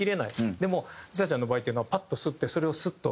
でもＬｉＳＡちゃんの場合っていうのはパッと吸ってそれをスッと。